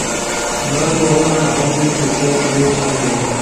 لالو غورا! ہر دیس کچاک کلپس ہنی؟